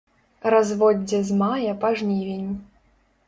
Разводдзе з мая па жнівень.